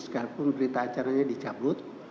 sekalipun berita acaranya dicabut